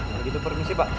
kalau gitu permisi pak